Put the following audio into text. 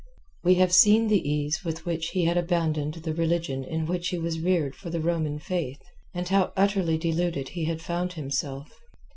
We have seen the ease with which he had abandoned the religion in which he was reared for the Roman faith, and how utterly deluded he had found himself.